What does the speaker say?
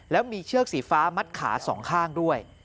แล้วมีเชือกสีฟ้ามัดขาสองข้างด้วย